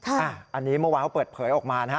อันนี้เมื่อวานเขาเปิดเผยออกมานะฮะ